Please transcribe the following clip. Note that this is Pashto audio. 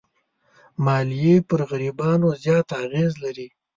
مالیې پر غریبانو زیات اغېز لري.